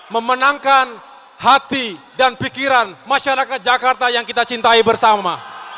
memenangkan hati dan pikiran masyarakat jakarta yang kita cintai bersama